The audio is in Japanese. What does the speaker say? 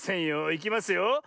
いきますよ。